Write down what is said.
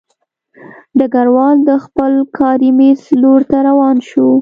ډګروال د خپل کاري مېز لور ته روان شو